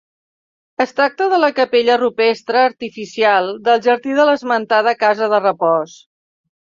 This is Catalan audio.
Es tracta de la capella rupestre -artificial- del jardí de l'esmentada casa de repòs.